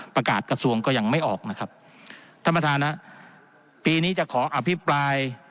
กระทรวงก็ยังไม่ออกนะครับท่านประธานฮะปีนี้จะขออภิปราย